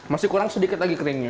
masih kurang sedikit lagi keringnya